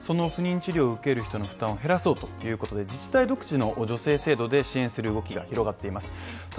その不妊治療を受ける人の負担を減らそうということで自治体独自の助成制度で支援する動きが広がっています。